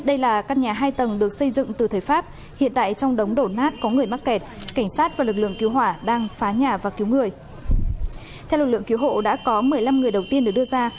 theo lực lượng cứu hộ đã có một mươi năm người đầu tiên được đưa ra